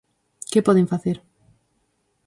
Que poden facer?